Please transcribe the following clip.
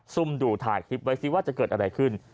ซุ่มดูถ่ายคลิปไว้ซิว่าจะเกิดอะไรขึ้น